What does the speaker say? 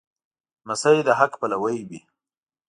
لمسی د حق پلوی وي.